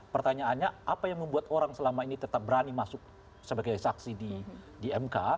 pertanyaannya apa yang membuat orang selama ini tetap berani masuk sebagai saksi di mk